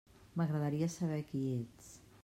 M'agradaria saber qui ets.